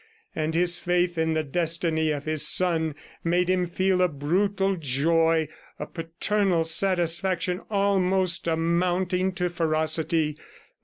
And his faith in the destiny of his son made him feel a brutal joy, a paternal satisfaction almost amounting to ferocity.